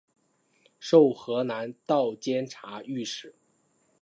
授河南道监察御史。